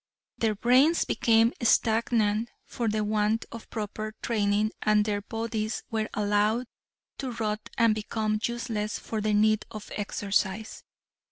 Their brains became stagnant for the want of proper training and their bodies were allowed to rot and become useless for the need of exercise.